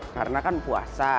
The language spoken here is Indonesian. karena kan puasa